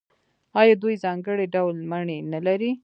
آیا دوی ځانګړي ډول مڼې نلري؟